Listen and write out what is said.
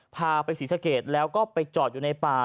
พาไปศรีสะเกดแล้วก็ไปจอดอยู่ในป่า